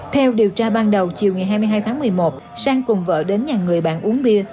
theo điều tra ban đầu chiều ngày hai mươi hai tháng một mươi một sang cùng vợ đến nhà người bạn uống bia